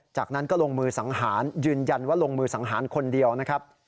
จากนั้นก็ลงมือสังหารยืนยันว่าลงมือสังหารคนเดียวนะครับ